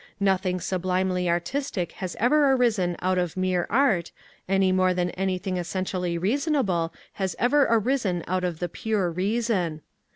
Nothing sublimely artistic has ever arisen out of mere art, any more than anything essentially reasonable has ever arisen out of the pure reason.